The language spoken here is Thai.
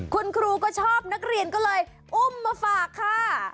คุณครูก็ชอบนักเรียนก็เลยอุ้มมาฝากค่ะ